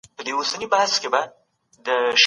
په کڅوڼي کي مي یو زوړ او خوندور او ګټور کتاب موندلی و.